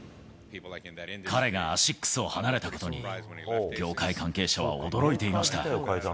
彼がアシックスを離れたことに、業界関係者は驚いていました。